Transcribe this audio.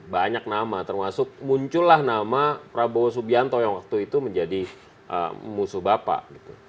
banyak nama termasuk muncullah nama prabowo subianto yang waktu itu menjadi musuh bapak gitu